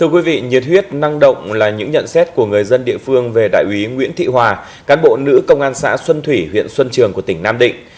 nhiệt huyết năng động là những nhận xét của người dân địa phương về đại úy nguyễn thị hòa cán bộ nữ công an xã xuân thủy huyện xuân trường của tỉnh nam định